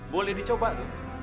boleh dicoba dong